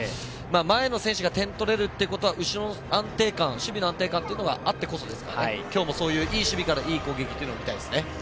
前の選手が点を取れるってことは後ろの守備の安定感があってこそですから今日も、いい守備からいい攻撃というのを見たいですね。